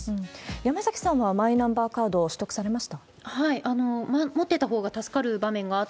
山崎さんはマイナンバーカード取得されました？